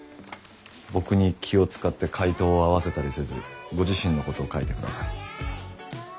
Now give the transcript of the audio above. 僕に気を遣って回答を合わせたりせずご自身のことを書いてください。